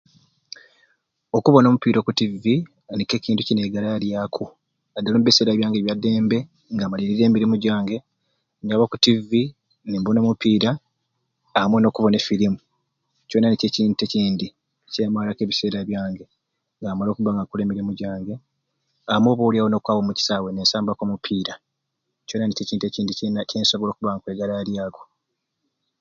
Kubona omupiira oku TV nikyo ekintu kyenegalyalyaku nadala omubiseera byange ebyadembe malilirye amirimu gyange nyaba oku TV nembona omupiira amwei nokubona e film kyona nikyo ekintu ekyindi kyemaraku ebiseera byange nga mmare okuba nga nkukola emirumu gyange amwei oba olyawo okwaba omu kisaaawe nensambaku omupiira kyona nikyo ekintu ekindi kyenkusobola okuba nga nkwegalyalyaku